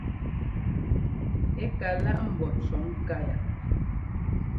Ɛ ka láʼ ḿbó cʉ̈ŋká yá.